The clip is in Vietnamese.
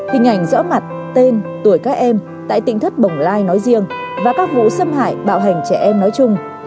hình ảnh rõ mặt tên tuổi các em tại tỉnh thất bồng lai nói riêng và các vụ xâm hại bạo hành trẻ em nói chung